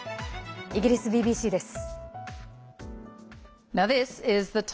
イギリスＢＢＣです。